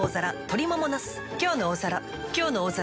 「きょうの大皿」